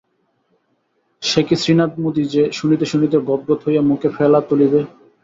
সে কি শ্রীনাথ মুদি যে শুনিতে শুনিতে গদগদ হইয়া মুখে ফেলা তুলিবে?